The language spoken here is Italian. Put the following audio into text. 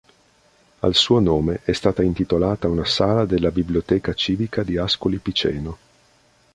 Al suo nome è stata intitolata una sala della Biblioteca civica di Ascoli Piceno.